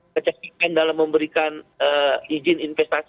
kecepatan dalam memberikan izin investasi